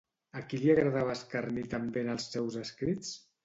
A qui li agradava escarnir també en els seus escrits?